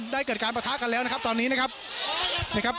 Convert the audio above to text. เกิดการประทะกันแล้วนะครับตอนนี้นะครับนะครับ